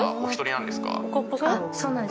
そうなんです。